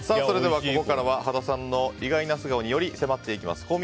それではここからは羽田さんの意外な素顔により迫っていきます